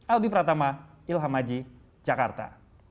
aldi pratama ilham maji jakarta